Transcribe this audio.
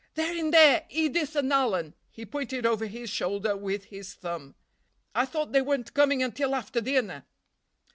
"They're in there—Edith and Alan." He pointed over his shoulder with his thumb. "I thought they weren't coming until after dinner."